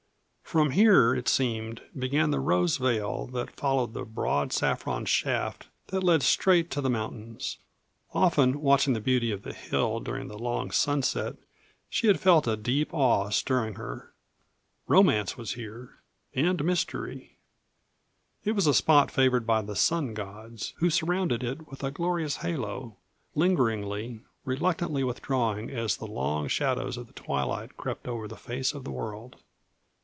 From here, it seemed, began the rose veil that followed the broad saffron shaft that led straight to the mountains. Often, watching the beauty of the hill during the long sunset, she had felt a deep awe stirring her. Romance was here, and mystery; it was a spot favored by the Sun Gods, who surrounded it with a glorious halo, lingeringly, reluctantly withdrawing as the long shadows of the twilight crept over the face of the world.